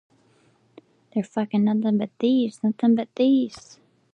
It was recorded previously by Michael Franti's first band, the Beatnigs.